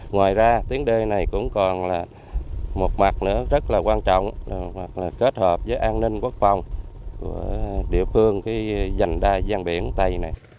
ngoài ra tiếng đê này cũng còn một mặt rất quan trọng kết hợp với an ninh quốc phòng của địa phương dành đa giang biển tây